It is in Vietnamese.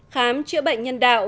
khám chữa bệnh nhân đạo